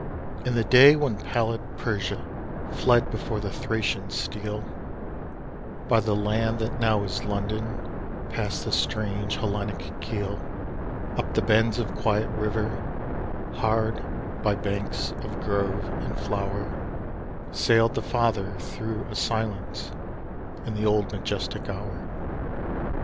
In the day when pallid Persia fled before the Thracian steel, By the land that now is London passed the strange Hellenic keel. Up the bends of quiet river, hard by banks of grove and flower, Sailed the father through a silence in the old majestic hour.